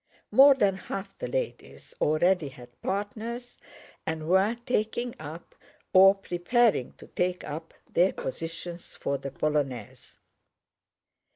More than half the ladies already had partners and were taking up, or preparing to take up, their positions for the polonaise.